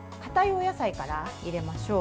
お野菜から入れましょう。